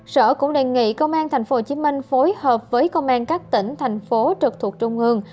sở cũng đề nghị công an tp hcm phối hợp với công an các tỉnh thành phố trực thuộc trung ương